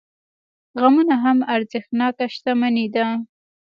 غمونه هم ارزښتناکه شتمني ده.